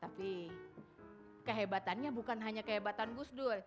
tapi kehebatannya bukan hanya kehebatan gus dur